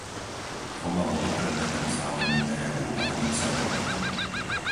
Oba boli predmetom záujmu EÚ, ale nič sa neudialo.